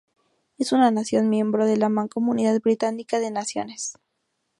Es una nación miembro de la Mancomunidad Británica de Naciones.